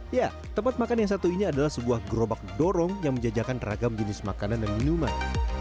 ya tempat makan yang satu ini adalah sebuah gerobak dorong yang menjajakan ragam jenis makanan dan minuman